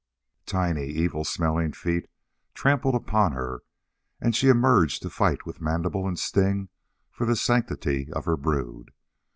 Tiny, evil smelling feet trampled upon her and she emerged to fight with mandible and sting for the sanctity of her brood.